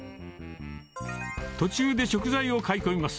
途中で食材を買い込みます。